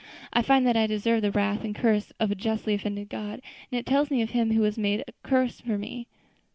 I find that I deserve the wrath and curse of a justly offended God, and it tells me of Him who was made a curse for me.